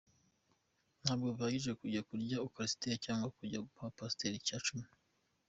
Ntabwo bihagije kujya kurya ukarisitiya cyangwa kujya guha pastor icyacumi.